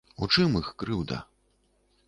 У чым іх крыўда?